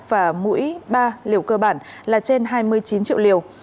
và mũi ba liều cơ bản là trên hai mươi chín triệu liều